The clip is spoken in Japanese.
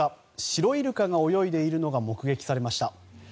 シロイルカが泳いでいるのが目撃されました。